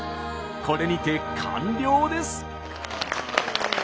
これにて完了です。